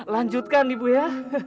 lanjutkan ibu ya